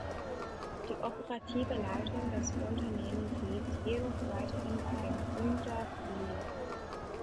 Die operative Leitung des Unternehmens liegt jedoch weiterhin bei den Gründerfamilien.